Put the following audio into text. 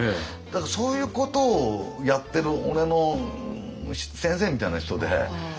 だからそういうことをやってる俺の先生みたいな人で。